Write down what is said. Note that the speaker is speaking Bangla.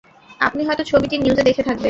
আপনি হয়তো ছবিটি নিউজে দেখে থাকবেন।